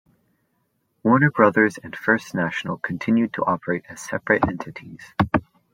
Warner Brothers and First National continued to operate as separate entities.